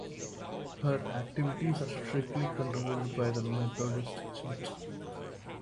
Her activities are strictly controlled by the Methodist church.